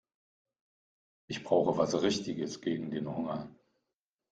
Ich brauche was Richtiges gegen den Hunger.